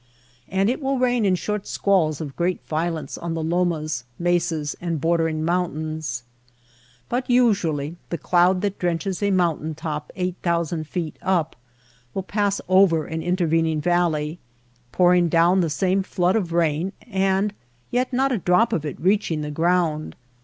And it will rain in short squalls of great violence on the lomas, mesas, and bordering mountains. But usually the cloud that drenches a mountain top eight thousand feet up will pass over an DESERT SKY AND CLOUDS 101 intervening valley, pouring down the same flood of rain, and yet not a drop of it reaching the ground.